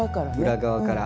裏側から。